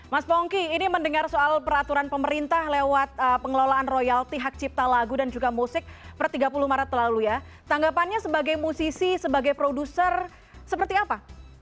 mas pongki ini mendengar soal peraturan pemerintah lewat pengelolaan royalti hak cipta lagu dan juga musik per tiga puluh maret lalu ya tanggapannya sebagai musisi sebagai produser seperti apa